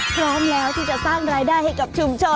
พร้อมแล้วที่จะสร้างรายได้ให้กับชุมชน